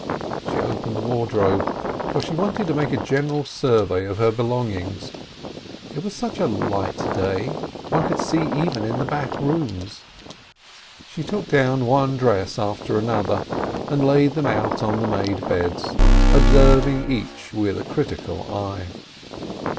She opened the wardrobe, for she wanted to make a general survey of her belongings. It was such a light day, one could see even in the back rooms. She took down one dress after another, and laid them out on the made beds, observing each with a critical eye.